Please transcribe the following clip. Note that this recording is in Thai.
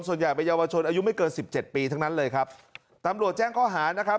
ส่วนใหญ่เป็นเยาวชนอายุไม่เกินสิบเจ็ดปีทั้งนั้นเลยครับตำรวจแจ้งข้อหานะครับ